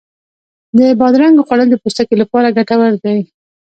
د بادرنګو خوړل د پوستکي لپاره ګټور دی.